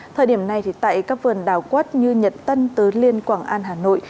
thời điểm này tại các vườn đào quất như nhật tân tứ liên quảng an hà nội